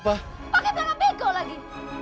pakai bala bego lagi